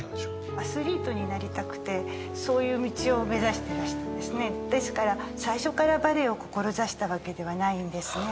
アスリートになりたくてそういう道を目指してらしたんですねですから最初からバレエを志したわけではないんですね